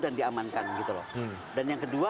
dan diamankan gitu loh dan yang kedua